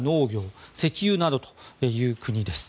そして、石油などという国です。